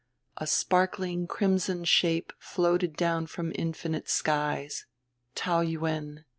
A sparkling crimson shape floated down from infinite skies Taou Yuen.